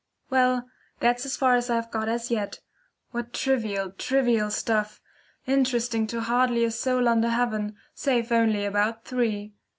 Well, that's as far as I've got as yet. What trivial, trivial stuff, interesting to hardly a soul under heaven, save only about three!